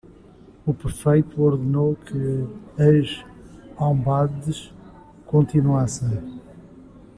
O prefeito ordenou que as albades continuassem.